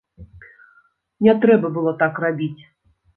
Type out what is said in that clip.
Не трэба было так рабіць.